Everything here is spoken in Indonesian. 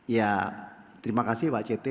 ya terima kasih pak ceti